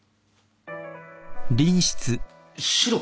シロ！？